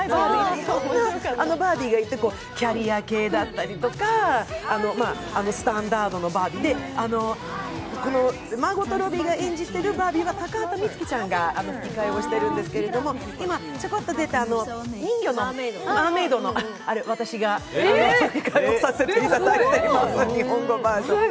いろんなバービーがいて、キャリア系だったりとかスタンダードなバービーで、マーゴット・ロビーが演じているバービーは高畑充希ちゃんが吹き替えをしているんですけど、今ちょこっと出た人魚のマーメイドの、あれ私が吹き替えをさせていただいております、日本語バージョン。